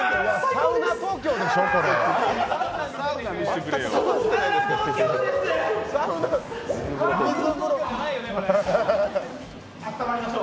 サウナ東京でしょ？